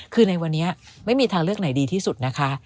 คือในวันนี้ไม่มีทางเลือกไหนดีที่สุดนะคะ